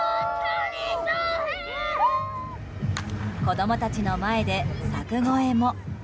子供たちの前で柵越えも。